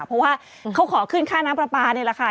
เพราะว่าเขาขอขึ้นค่าน้ำปลาปลานี่แหละค่ะ